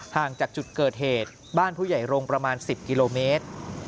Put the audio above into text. ห่างจากจุดเกิดเหตุบ้านผู้ใหญ่โรงประมาณ๑๐กิโลเมตร